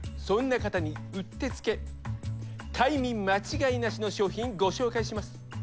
そんな方にうってつけ快眠間違いなしの商品ご紹介します。